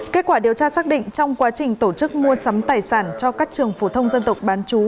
kết quả điều tra xác định trong quá trình tổ chức mua sắm tài sản cho các trường phổ thông dân tộc bán chú